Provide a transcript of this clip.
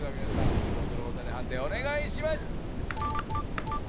お手元のボタンで判定をお願いします。